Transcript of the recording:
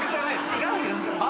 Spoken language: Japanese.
違うよ。